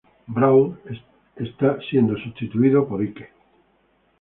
Brawl, este siendo sustituido por Ike.